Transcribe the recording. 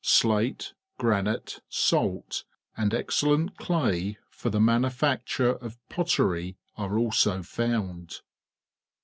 Slate, granite, salt, and excellent clay for the manufacture of pottery are also foimd.